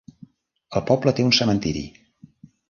El poble té un cementiri.